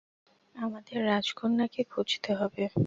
আমাদের রাজকন্যাকে খুঁজতে হবে।